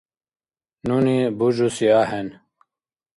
– Нуни бужуси ахӀен.